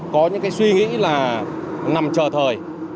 có những cái suy nghĩ là nằm chờ thời